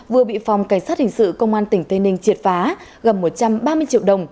vừa bị phòng cảnh sát hình sự công an tỉnh tây ninh triệt phá gần một trăm ba mươi triệu đồng